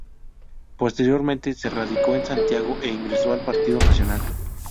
Posteriormente, se radicó en Santiago e ingresó al Partido Nacional.